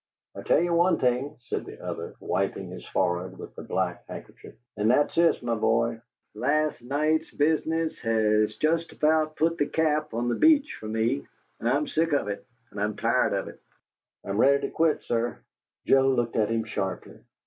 "I'll tell ye one thing," said the other, wiping his forehead with the black handkerchief, "and that's this, my boy: last night's business has just about put the cap on the Beach fer me. I'm sick of it and I'm tired of it! I'm ready to quit, sir!" Joe looked at him sharply.